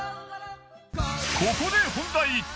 ここで本題。